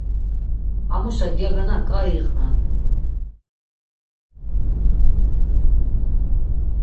Amuşa gyagana ǩai iqven.